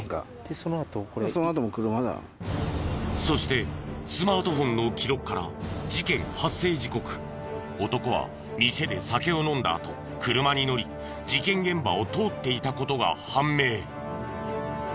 そしてスマートフォンの記録から事件発生時刻男は店で酒を飲んだあと車に乗り事件現場を通っていた事が判明。